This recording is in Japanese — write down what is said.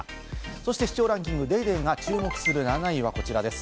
そして視聴ランキング、『ＤａｙＤａｙ．』が注目する７位はこちらです。